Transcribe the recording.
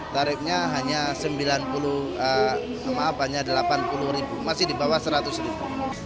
tarifnya hanya rp delapan puluh masih di bawah rp seratus